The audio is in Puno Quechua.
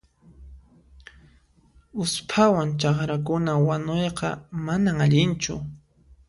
Usphawan chakrakuna wanuyqa manan allinchu.